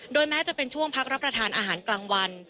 แม้จะเป็นช่วงพักรับประทานอาหารกลางวัน